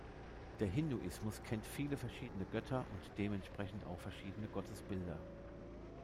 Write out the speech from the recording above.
Der Hinduismus kennt viele verschiedene Götter und dementsprechend auch verschiedene Gottesbilder.